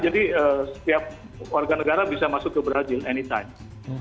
jadi setiap warga negara bisa masuk ke brazil anytime